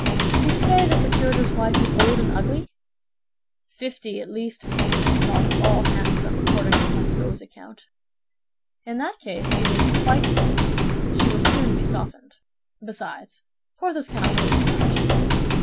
"Do you say the procurator's wife is old and ugly?" "Fifty at least, monsieur, and not at all handsome, according to Pathaud's account." "In that case, you may be quite at ease; she will soon be softened. Besides, Porthos cannot owe you much."